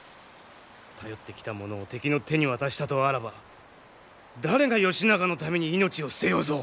頼ってきた者を敵の手に渡したとあらば誰が義仲のために命を捨てようぞ。